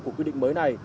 của quy định mới này